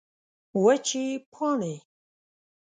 وچې پاڼې